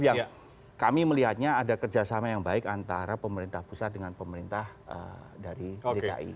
yang kami melihatnya ada kerjasama yang baik antara pemerintah pusat dengan pemerintah dari dki